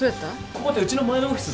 ここってうちの前のオフィス。